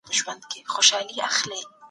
دغسي خبري ئې نوره هم وارخطا کوي.